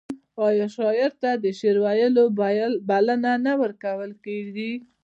آیا شاعر ته د شعر ویلو بلنه نه ورکول کیږي؟